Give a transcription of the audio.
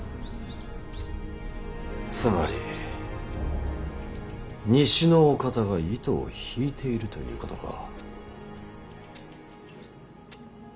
つまり西のお方が糸を引いているということか。